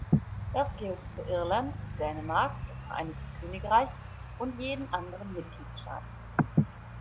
Das gilt für Irland, Dänemark, das Vereinigte Königreich und jeden anderen Mitgliedstaat.